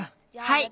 はい。